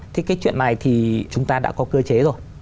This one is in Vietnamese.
thì cái chuyện này thì chúng ta đã có cơ chế rồi